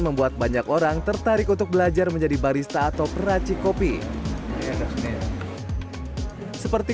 membuat banyak orang tertarik untuk belajar menjadi barista atau peracik kopi seperti